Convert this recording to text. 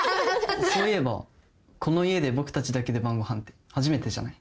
そういえばこの家で僕たちだけで晩ご飯って初めてじゃない？